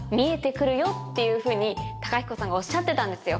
いうふうに貴彦さんがおっしゃってたんですよ。